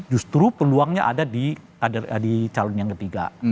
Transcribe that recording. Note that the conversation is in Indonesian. justru peluangnya ada di calon yang ketiga